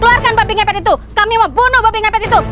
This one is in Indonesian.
keluarkan babi ngepet itu kami mau bunuh babi ngepet itu